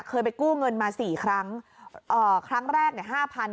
เคยไปกู้เงินมาสี่ครั้งเอ่อครั้งแรกเนี่ยห้าพัน